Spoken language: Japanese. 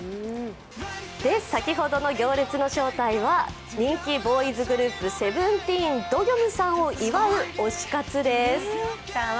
で、先ほどの行列の正体は、人気ボーイズグループ、ＳＥＶＥＮＴＥＥＮ・ドギョムさんを祝う推し活です。